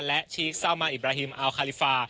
และชีคซาวมาอิบราฮิมอัลคาลิฟา